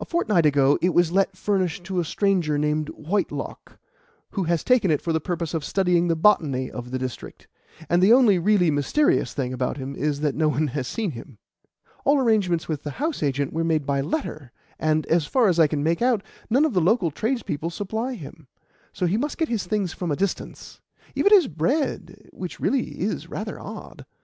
A fortnight ago it was let furnished to a stranger named Whitelock, who has taken it for the purpose of studying the botany of the district; and the only really mysterious thing about him is that no one has seen him. All arrangements with the house agent were made by letter, and, as far as I can make out, none of the local tradespeople supply him, so he must get his things from a distance even his bread, which really is rather odd.